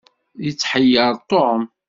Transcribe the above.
Yetḥeyyeṛ Tom.